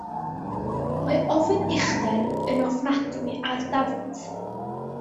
Mae ofn uchder yn ofnadwy ar Dafydd.